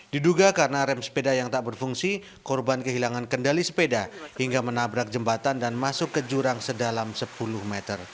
diduga karena rem sepeda yang tak berfungsi korban kehilangan kendali sepeda hingga menabrak jembatan dan masuk ke jurang sedalam sepuluh meter